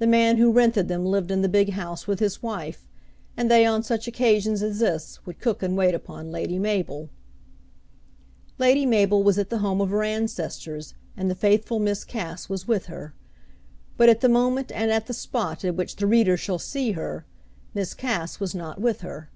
The man who rented them lived in the big house with his wife, and they on such occasions as this would cook and wait upon Lady Mabel. Lady Mabel was at the home of her ancestors, and the faithful Miss Cass was with her. But at the moment and at the spot at which the reader shall see her, Miss Cass was not with her.